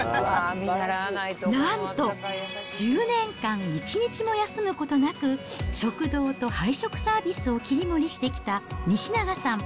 なんと、１０年間１日も休むことなく、食堂と配食サービスを切り盛りしてきた西永さん。